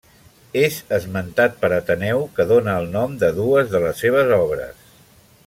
És esmentat per Ateneu que dóna el nom de dues de les seves obres.